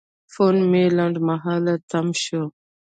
فون مې لنډمهاله تم شو.